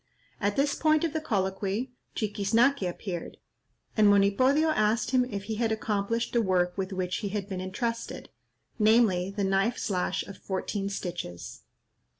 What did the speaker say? At this point of the colloquy, Chiquiznaque appeared, and Monipodio asked him if he had accomplished the work with which he had been entrusted—namely, the knife slash of fourteen stitches.